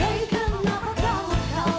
hey kenapa kalau kalau makan dangdut